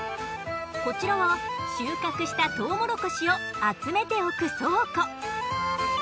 こちらは収穫したトウモロコシを集めておく倉庫。